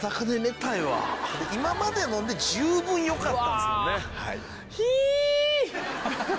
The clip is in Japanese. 今までので十分よかったんですもんね。